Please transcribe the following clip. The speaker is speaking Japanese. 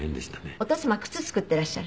お父様靴作っていらっしゃる。